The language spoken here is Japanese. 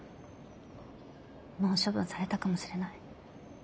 もう処分されたかもしれない。